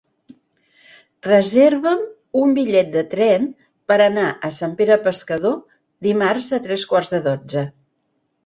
Reserva'm un bitllet de tren per anar a Sant Pere Pescador dimarts a tres quarts de dotze.